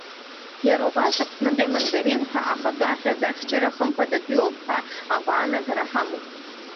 Иара убас, аԥснытәи амандарин ҳәа ахатәы ахьӡ ахьчара хымԥадатәиуп ҳәа агәаанагара ҳамоуп.